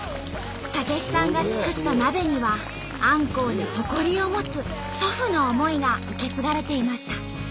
武子さんが作った鍋にはあんこうに誇りを持つ祖父の思いが受け継がれていました。